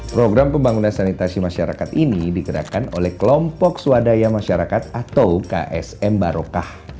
program pembangunan sanitasi masyarakat ini digerakkan oleh kelompok swadaya masyarakat atau ksm barokah